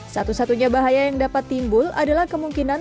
satu satunya bahaya yang dapat timbul adalah kemungkinan